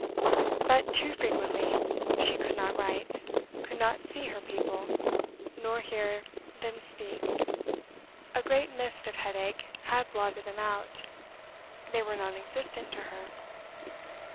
But too frequently she could not write, could not see her people, nor hear them speak; a great mist of head ache had blotted them out; they were non existent to her.